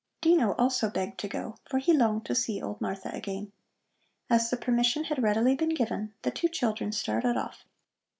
Dino also begged to go, for he longed to see old Martha again. As the permission had readily been given, the two children started off.